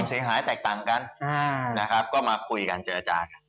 เสียหายแตกต่างกันนะครับก็มาคุยกันเจรจากัน